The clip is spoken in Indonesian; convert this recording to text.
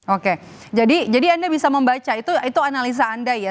oke jadi anda bisa membaca itu analisa anda ya